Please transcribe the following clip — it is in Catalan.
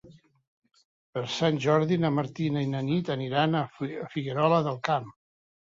Per Sant Jordi na Martina i na Nit aniran a Figuerola del Camp.